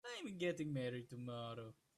I'm getting married tomorrow.